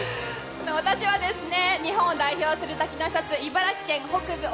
私は日本を代表する滝の１つ茨城県の北部奥